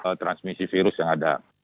karena ada transmisi virus yang ada